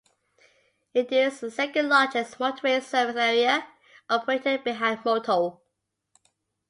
It is the second largest motorway service area operator behind Moto.